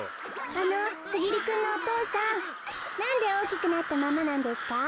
あのすぎるくんのお父さんなんでおおきくなったままなんですか？